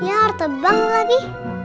ya waktu bangun lagi